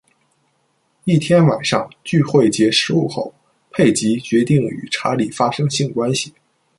一天晚上，聚会结束后，佩吉决定与查理发生性关系。